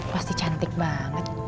pasti cantik banget